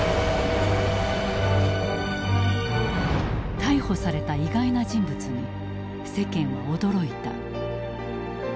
逮捕された意外な人物に世間は驚いた。